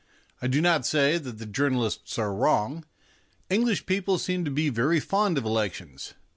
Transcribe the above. I do not say that the journalists are wrong. English people seem to be very fond of elections.